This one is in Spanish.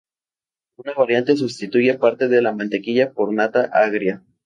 Una variante sustituye parte de la mantequilla por nata agria.